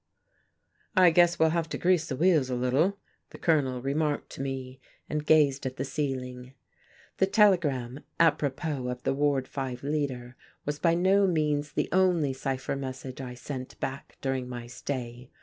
"I guess we'll have to grease the wheels a little," the Colonel remarked to me, and gazed at the ceiling.... The telegram apropos of the Ward Five leader was by no means the only cipher message I sent back during my stay.